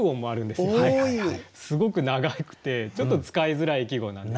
すごく長くてちょっと使いづらい季語なんですけど。